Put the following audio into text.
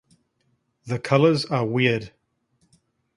The colors are weird.